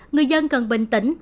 người dân cần bình tĩnh